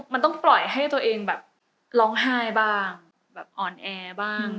มันต้องปล่อยให้ตัวเองแบบร้องไห้บ้างแบบอ่อนแอบ้าง